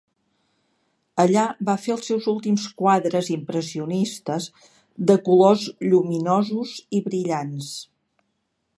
Allà va fer els seus últims quadres impressionistes de colors lluminosos i brillants.